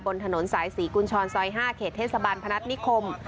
บนถนนสายศรีกุญชรซอย๕เขตเทศบาลพนัฐนิคม